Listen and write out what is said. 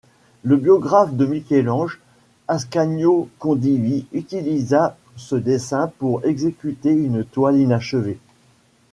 Le biographe de Michel-Ange, Ascanio Condivi utilisa ce dessin pour exécuter une toile inachevée.